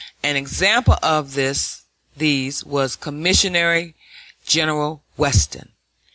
An example of these was Commissary General Weston.